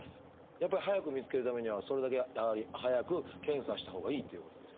やっぱり早く見つけるためにはそれだけやはり早く検査したほうがいいっていうことですか？